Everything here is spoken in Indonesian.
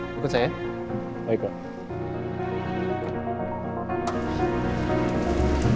pukul saya ya